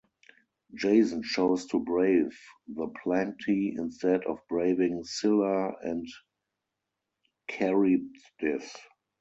Jason chose to brave the Planctae instead of braving Scylla and Charybdis.